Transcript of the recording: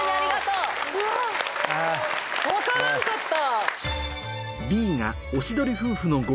うわっ分からんかった。